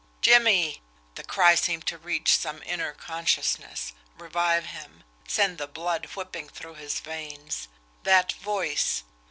"JIMMIE!" The cry seemed to reach some inner consciousness, revive him, send the blood whipping through his veins. That voice!